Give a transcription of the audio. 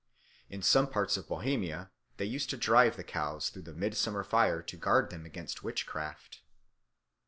In some parts of Bohemia they used to drive the cows through the midsummer fire to guard them against witchcraft.